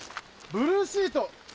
ブルーシート